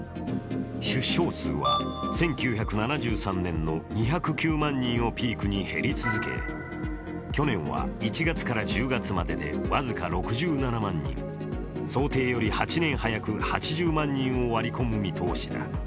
出生数は１９７３年の２０９万人をピークに減り続け去年は１月から１０月までで僅か６７万人、想定より８年早く８０万人を割り込む見通しだ。